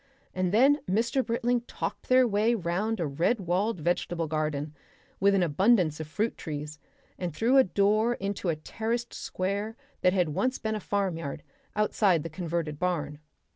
And then Mr. Britling talked their way round a red walled vegetable garden with an abundance of fruit trees, and through a door into a terraced square that had once been a farmyard, outside the converted barn.